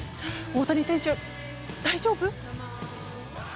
大谷選手、大丈夫？